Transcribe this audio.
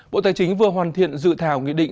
bộ tài chính vừa hoàn thiện dự thảo nghị định